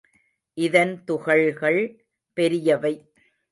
இதன் துகள்கள் பெரியவை.